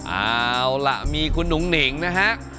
เอาล่ะมีคุณหนุ่งหนิงนะฮะ